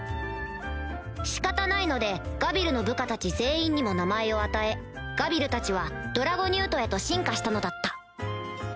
仕方ないのでガビルの部下たち全員にも名前を与えガビルたちはドラゴニュートへと進化したのだった